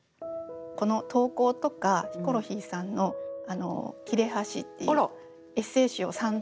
この投稿とかヒコロヒーさんの「きれはし」っていうエッセー集を３度ほど。